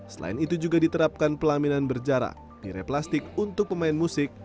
selain itu juga diterapkan pelaminan berjarak pire plastik untuk pemain musik